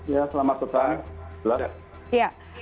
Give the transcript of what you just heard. ya selamat petang